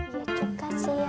ya juga sih ya